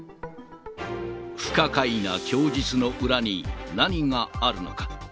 不可解な供述の裏に、何があるのか。